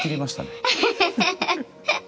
ハハハハハ！